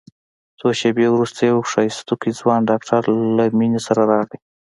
څو شېبې وروسته يو ښايستوکى ځوان ډاکتر له مينې سره راغى.